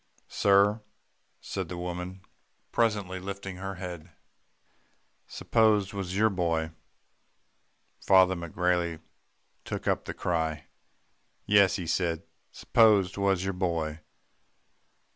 "'Sir,' said the woman presently lifting her head. 'S'pose 'twas your boy.' "Father McGrailey took up the cry. 'Yes,' he said, 's'pose 'twas your boy.